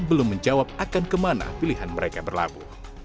belum menjawab akan kemana pilihan mereka berlabuh